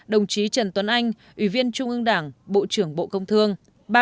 ba mươi hai đồng chí trần tuấn anh ủy viên trung ương đảng bộ trưởng bộ công thương